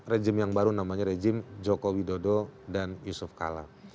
rejim yang baru namanya rejim joko widodo dan yusuf kala